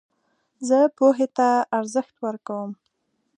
زه پوهي ته ارزښت ورکوم.